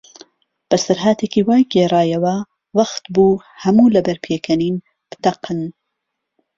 بەسەرهاتێکی وای گێڕایەوە، وەختبوو هەموو لەبەر پێکەنین بتەقن.